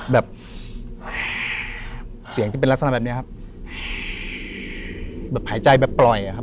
แบบเสียงที่เป็นลักษณะแบบเนี้ยครับแบบหายใจแบบปล่อยอะครับ